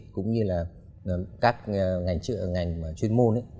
cũng như là các ngành chuyên môn